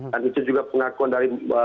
dan itu juga pengakuannya dari